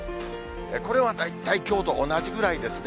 これは大体きょうと同じぐらいですね。